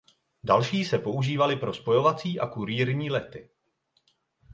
Další se používaly pro spojovací a kurýrní lety.